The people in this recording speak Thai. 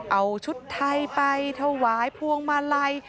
เอาชุดไทยไปถวายพวงมาลัย